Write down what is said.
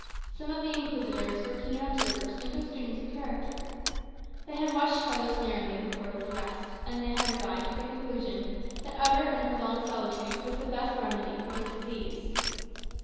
Some of the Inquisitors were keen observers and good students of character. They had watched Carlos narrowly before his arrest, and they had arrived at the conclusion that utter and prolonged solitude was the best remedy for his disease.